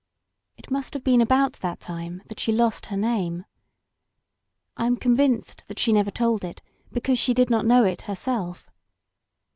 It must have been about that time that she lost her name. I am convinced that she never told it because she did not know it herself.